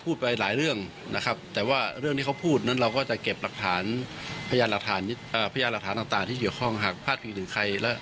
อื้อไม่ตรงไว้